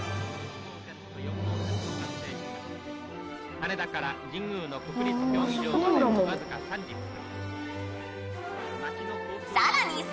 「羽田から神宮の国立競技場までわずか３０分」